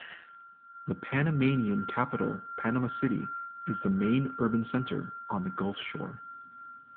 The Panamanian capital Panama City is the main urban centre on the gulf shore.